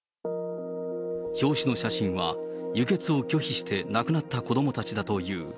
表紙の写真は、輸血を拒否して亡くなった子どもたちだという。